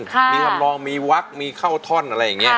มีทำนองมีวักมีเข้าท่อนอะไรอย่างนี้